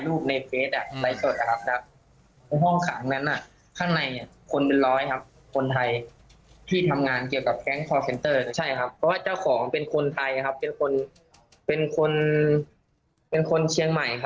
อื้อฮือ